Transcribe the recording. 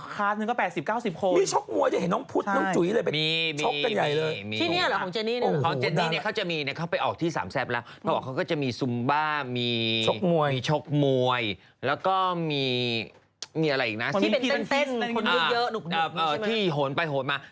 ของเจนนี่เขาจะมีเขาไปออกที่๓แซมแล้วเขาก็จะมีซุมบ้ามีชกมวยแล้วก็มีที่เพื่อนเต้นที่หนไปหนมา